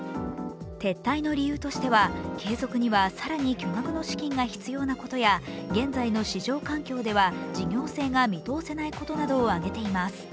撤退の理由としては継続には更に巨額の資金が必要なことや現在の市場環境では事業性が見通せないことなどを挙げています。